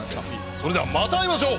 それではまた会いましょう！